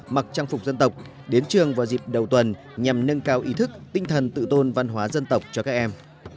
mặc trang phục dân tộc đến trường vào dịp đầu tuần nhằm nâng cao ý thức tinh thần tự tôn văn hóa dân tộc cho các em